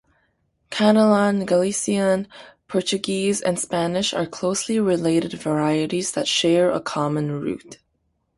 Catalan, Galician, Portuguese, and Spanish are closely related varieties that share a common root.